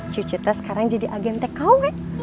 cucu teh sekarang jadi agente kw